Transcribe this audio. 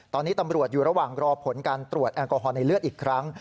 ตอนนี้ตำรวจอยู่ระหว่างรอผลการตรวจแอลกอฮอลในเลือดอีกครั้ง